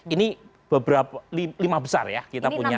ini beberapa lima besar ya kita punya